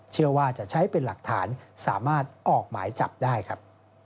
เชื่อว่าจะใช้เป็นหลักฐานสามารถออกหมายจับได้ครับ